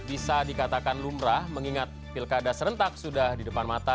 bisa dikatakan lumrah mengingat pilkada serentak sudah di depan mata